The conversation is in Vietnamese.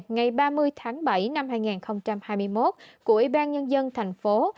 ngày ba mươi tháng bảy năm hai nghìn hai mươi một của ủy ban nhân dân thành phố